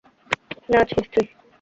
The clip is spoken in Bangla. না আছে স্ত্রী।